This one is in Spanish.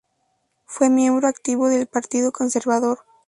Fue miembro activo del Partido Conservador.